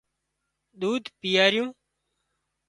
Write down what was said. ۮوڌ پيئارو